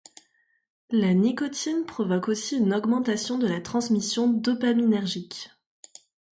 La nicotine provoque aussi une augmentation de la transmission dopaminergique.